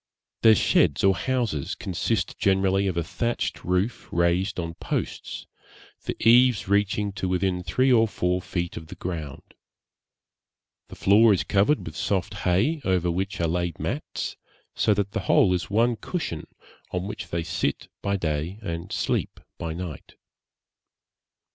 Their sheds or houses consist generally of a thatched roof raised on posts, the eaves reaching to within three or four feet of the ground; the floor is covered with soft hay, over which are laid mats, so that the whole is one cushion, on which they sit by day and sleep by night.